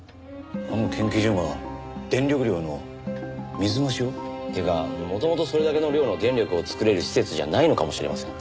あの研究所が電力量の水増しを？っていうかもともとそれだけの量の電力を作れる施設じゃないのかもしれません。